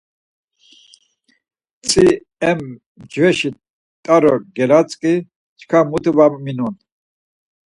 Tzi em mcveşi taro gelatzk̆i, çkva mutu va minon.